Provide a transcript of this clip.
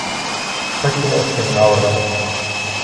Kaikki muutkin nauravat.